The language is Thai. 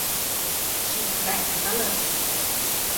ฉีกแบ่งซะเลย